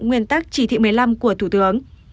nguyên tắc chỉ thị một mươi năm của thủ tướng